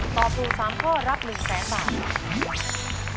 ตอบถูก๓ข้อรับ๑๐๐๐๐บาท